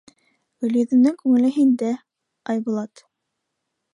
— Гөлйөҙөмдөң күңеле һиндә, Айбулат.